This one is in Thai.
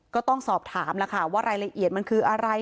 ก็ต้องสอบถามแล้วค่ะว่ารายละเอียดมันคืออะไร